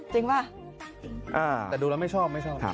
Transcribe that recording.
จริงป่าวแต่ดูแล้วไม่ชอบ